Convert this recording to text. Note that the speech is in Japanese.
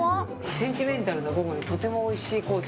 センチメンタルな午後にとってもおいしい紅茶。